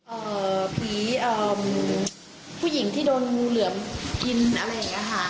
เอ่อผีเอ่อผู้หญิงที่โดนงูเหลือมกินอะไรอย่างเงี้ยค่ะ